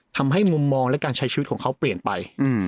ทำให้มุมมองและการใช้ชีวิตของเขาเปลี่ยนไป